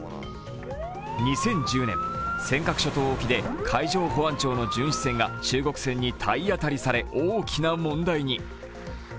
２０１０年、尖閣諸島沖で海上保安庁の巡視船が中国船に体当たりされ、大きな問題に。